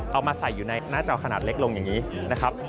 เอามาใส่อยู่ในหน้าจอขนาดเล็กลงอย่างนี้นะครับ